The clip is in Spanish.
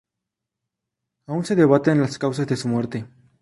Aún se debaten las causas de su muerte.